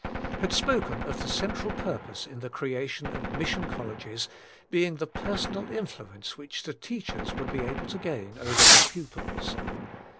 had spoken of the central purpose in the creation of Mission Colleges being "the personal influence which the teachers would be able to gain over their pupils."